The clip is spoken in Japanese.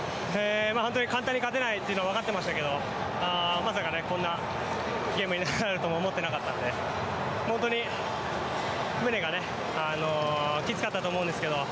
簡単に勝てないというのはわかってましたけどまさかこんなゲームになるとも思ってなかったんで本当に、宗がきつかったと思うんですが